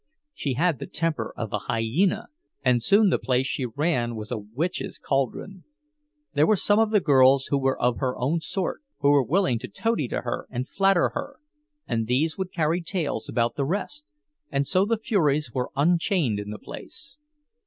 She had the temper of a hyena, and soon the place she ran was a witch's caldron. There were some of the girls who were of her own sort, who were willing to toady to her and flatter her; and these would carry tales about the rest, and so the furies were unchained in the place.